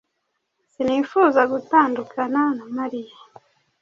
Sinifuzaga gutandukana na Mariya.